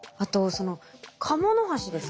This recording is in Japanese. そのカモノハシですか？